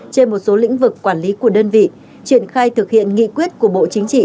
trên một số lĩnh vực quản lý của đơn vị triển khai thực hiện nghị quyết của bộ chính trị